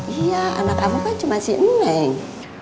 iya anak kamu kan cuma si eleng